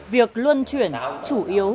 việc luân chuyển chủ yếu